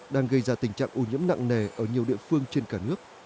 đang gây ra tình trạng ô nhiễm nặng nề ở nhiều địa phương trên cả nước